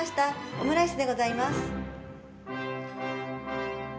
オムライスでございます。